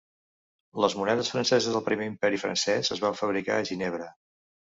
Les monedes franceses del Primer Imperi Francès es van fabricar a Ginebra.